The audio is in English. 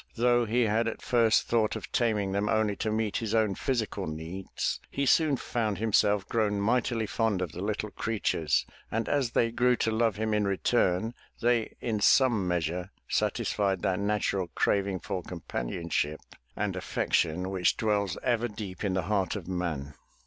Though he had at first thought of taming them only to meet his own physical needs, he soon found himself grown mightily fond of the little creatures, and as they grew to love him in return, they in some measure satisfied that natural craving for companionship and affection which dwells ever deep in the heart of man.